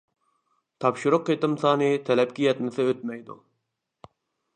تاپشۇرۇق قېتىم سانى تەلەپكە يەتمىسە ئۆتمەيدۇ.